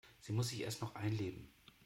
Sie muss sich erst noch einleben.